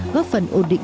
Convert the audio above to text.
góp phần ổn định